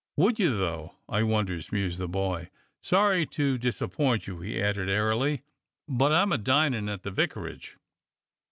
"Would you, though.^ I wonders .f^" mused the boy. "Sorry to disappoint you," he added airily, "but I'm a dinin' at the vicarage."